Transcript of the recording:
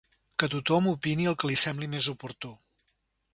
Que tothom opini el que li sembli més oportú.